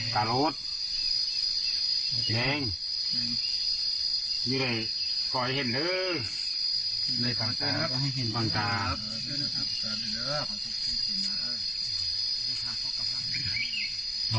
กะโรดแม่งนี่เลยปล่อยให้เห็นเลยในฝั่งกราฟให้เห็นฝั่งกราฟ